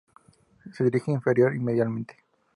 Se dirige inferior y medialmente.